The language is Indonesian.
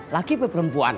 laki atau perempuan